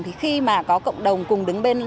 thì khi mà có cộng đồng cùng đứng bên